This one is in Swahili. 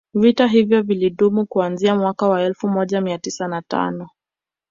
Vita hivyo vilidumu kuanzia mwaka wa elfu moja mia tisa na tano